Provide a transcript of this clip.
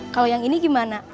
kalau yang ini gimana